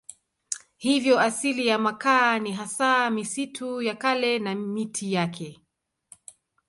Hivyo asili ya makaa ni hasa misitu ya kale na miti yake.